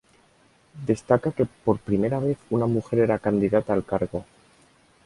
Destaca que por primera vez una mujer era candidata al cargo.